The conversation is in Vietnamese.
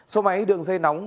số máy đường dây nóng